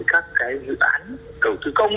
các dự án cầu tư công